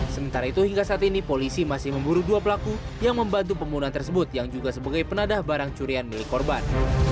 sementara itu hingga saat ini polisi masih memburu dua pelaku yang membantu pembunuhan tersebut yang juga sebagai penadah barang curian milik korban